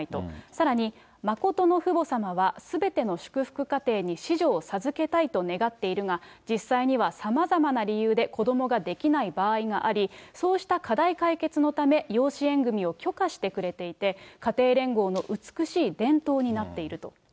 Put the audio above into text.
さらにまことの父母様はすべての祝福家庭に子女を授けたいと願っているが、実際にはさまざまな理由で子どもができない場合があり、そうした課題解決のため、養子縁組を許可してくれていて、家庭連合の美しい伝統になっていると。